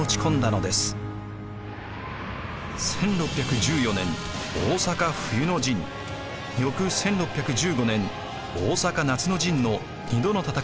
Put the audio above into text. １６１４年大坂冬の陣翌１６１５年大坂夏の陣の２度の戦いによって大坂城は陥落。